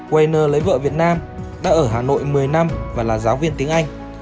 wainner lấy vợ việt nam đã ở hà nội một mươi năm và là giáo viên tiếng anh